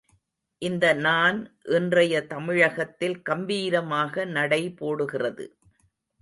இந்த நான் இன்றைய தமிழகத்தில் கம்பீரமாக நடைபோடுகிறது.